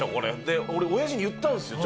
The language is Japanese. で俺親父に言ったんですよ。